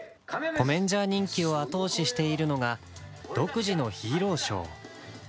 コメンジャー人気を後押ししているのが独自のヒーローショー。